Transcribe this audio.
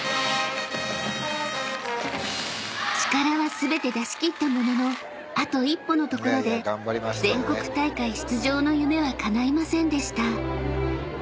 ［力は全て出し切ったもののあと一歩のところで全国大会出場の夢はかないませんでした］